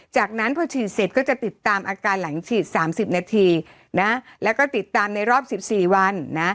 จากนั้นพอฉีดเสร็จก็จะติดตามอาการหลังฉีด๓๐นาทีนะแล้วก็ติดตามในรอบ๑๔วัน